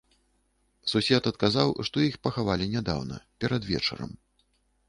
Сусед адказаў, што іх пахавалі нядаўна, перад вечарам.